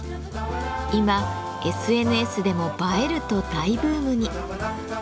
今ＳＮＳでも「映える」と大ブームに。